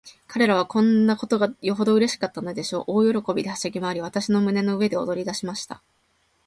彼等はこんなことがよほどうれしかったのでしょう。大喜びで、はしゃぎまわり、私の胸の上で踊りだしました。